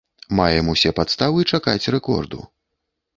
Маем усе падставы чакаць рэкорду.